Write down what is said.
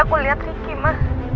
aku bener bener takut banget ma